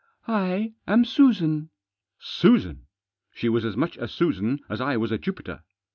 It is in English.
"I am Susan." Susan ! She was as much a Susan as I was a Jupiter.